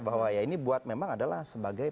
bahwa ya ini buat memang adalah sebagai